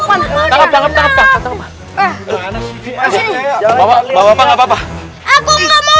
aduh aduh aduh